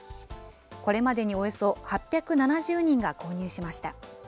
これまでにおよそ８７０人が購入しました。